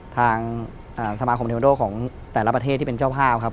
ทางสมาคมเทวโดของแต่ละประเทศที่เป็นเจ้าภาพครับ